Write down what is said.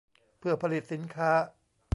เพื่อผลิตสินค้า